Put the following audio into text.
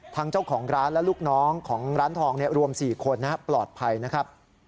ทางเจ้าของร้านและลูกน้องของร้านทองรวม๔คนปลอดภัยนะครับ